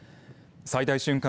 最大瞬間